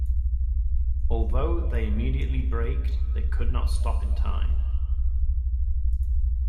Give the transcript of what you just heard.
Although they immediately braked, they could not stop in time.